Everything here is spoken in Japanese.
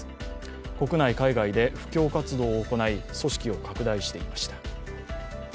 国内、海外で布教活動を行い組織を拡大していました。